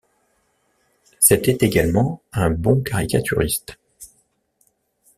C'était également un bon caricaturiste.